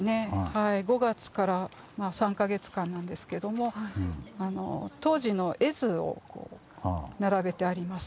５月から３か月間なんですけども当時の絵図を並べてあります。